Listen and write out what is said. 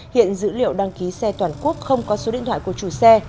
hiện dữ liệu đăng ký xe toàn quốc không có số điện thoại của chủ xe